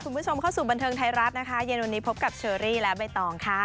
คุณผู้ชมเข้าสู่บันเทิงไทยรัฐนะคะเย็นวันนี้พบกับเชอรี่และใบตองค่ะ